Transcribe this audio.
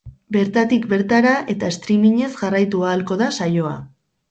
Bertatik bertara eta streamingez jarraitu ahalko da saioa.